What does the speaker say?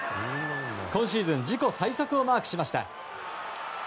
今シーズン自己最速をマークしました。